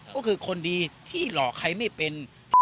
ก็คือคนดีที่หลอกใครไม่เป็น